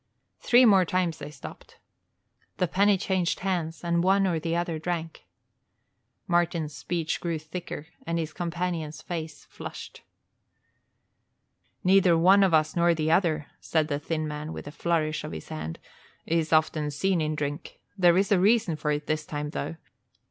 Three times more they stopped. The penny changed hands and one or the other drank. Martin's speech grew thicker and his companion's face flushed. "Neither one of us nor the other," said the thin man, with a flourish of his hand, "is often seen in drink. There is a reason for it this time, though.